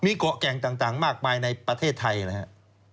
มีเกาะแก่งต่างมากมายในประเทศไทยนะครับ